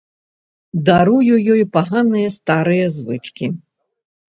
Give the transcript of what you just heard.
Дарую ёй паганыя старыя звычкі.